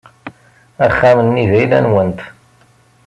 Axxam-nni d ayla-nwent.